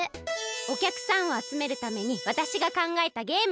おきゃくさんをあつめるためにわたしがかんがえたゲーム。